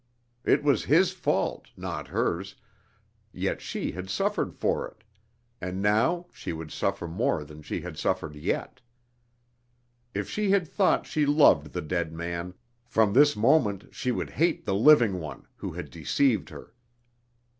It was his fault, not hers, yet she had suffered for it, and now she would suffer more than she had suffered yet. If she had thought she loved the dead man, from this moment she would hate the living one, who had deceived her.